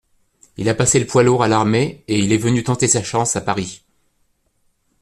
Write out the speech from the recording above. il a passé le poids lourds à l’armée et il est venu tenter sa chance à Paris.